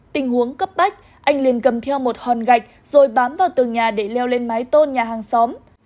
tình huống cấp bách anh liền cầm theo một hòn gạch rồi bám vào tường nhà để leo lên mái tôn nhà hàng xóm